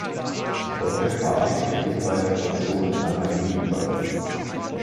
Die folgende Graphik stellt diese beiden Situationen einander gegenüber.